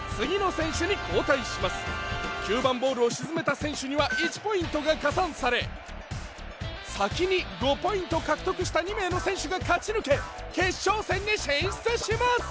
９番ボールを沈めた選手には１ポイントが加算され先に５ポイント獲得した２名の選手が勝ち抜け決勝戦に進出します！